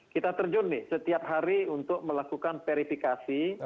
kita terjun nih setiap hari untuk melakukan verifikasi